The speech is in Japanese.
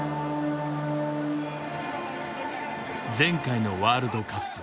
前回のワールドカップ。